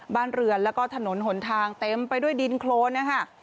บ้านเรือนแล้วก็ถนนหนทางเต็มไปด้วยดินโครนนะคะ